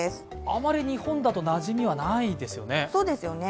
あまり日本だとなじみはないですよね。